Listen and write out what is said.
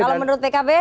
kalau menurut pkb